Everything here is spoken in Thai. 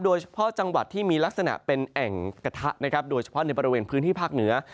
โดยเฉพาะจังหวัดที่มีลักษณะเป็นแอ่งกระทะนะครับโดยเฉพาะในบริเวณพื้นที่ภาคเหนือ